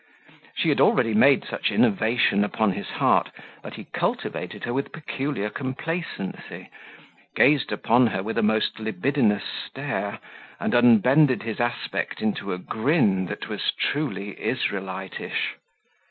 She had already made such innovation upon his heart, that he cultivated her with peculiar complacency, gazed upon her with a most libidinous stare, and unbended his aspect into a grin that was truly Israelitish.